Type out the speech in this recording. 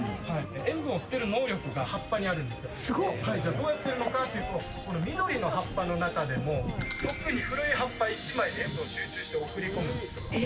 どうやってるのかというと緑の葉っぱの中でも、特に古い葉っぱ１枚に塩分を集中して送り込むんですよ。